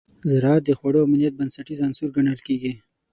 زراعت د خوړو امنیت بنسټیز عنصر ګڼل کېږي.